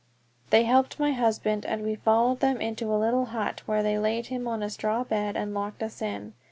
They helped my husband, and we followed them into a little hut, where they laid him on a straw bed and locked us in.